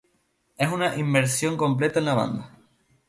Es un una inmersión completa en la banda.